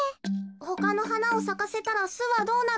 ほかのはなをさかせたらすはどうなるの？